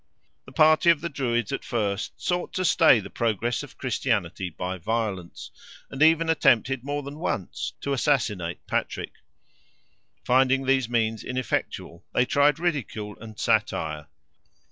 The party of the Druids at first sought to stay the progress of Christianity by violence, and even attempted, more than once, to assassinate Patrick. Finding these means ineffectual they tried ridicule and satire.